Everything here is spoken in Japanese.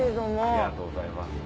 ありがとうございます。